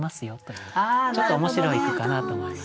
ちょっと面白い句かなと思います。